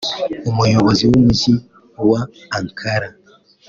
umuyobozi w'umujyi wa Ankara